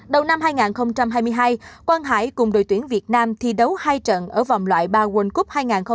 đầu năm hai nghìn hai mươi hai quang hải cùng đội tuyển việt nam thi đấu hai trận ở vòng loại ba world cup hai nghìn hai mươi hai